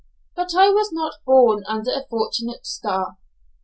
But I was not born under a fortunate star.